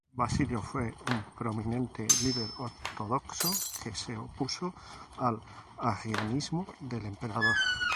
Basilio fue un prominente líder ortodoxo que se opuso al arrianismo del emperador.